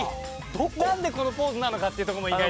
何でこのポーズなのかっていうとこも意外だし。